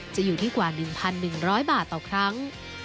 จะอยู่ที่กว่า๑๑๐๐บาทต่อครั้ง